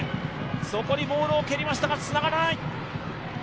そこにボールを蹴りましたがつながらない。